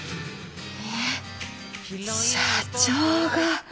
えっ社長が？